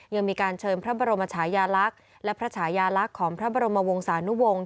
ยังมีการเชิญพระบรมชายาลักษณ์และพระชายาลักษณ์ของพระบรมวงศานุวงศ์